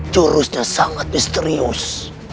curusnya sangat misterius